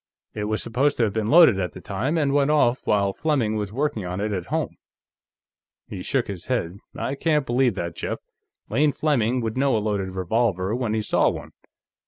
"It was supposed to have been loaded at the time, and went off while Fleming was working on it, at home." He shook his head. "I can't believe that, Jeff. Lane Fleming would know a loaded revolver when he saw one.